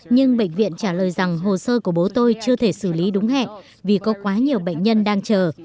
nhưng bệnh viện trả lời rằng hồ sơ của bố tôi chưa thể xử lý đúng hẹn vì có quá nhiều bệnh nhân đang chờ